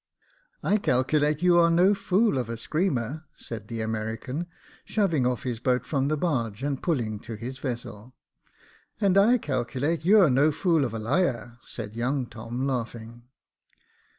" I calculate you are no fool of a screamer," said the American, shoving off his boat from the barge, and pulling to his vessel. " And I calculate you're no fool of a liar," said young Tom, laughing.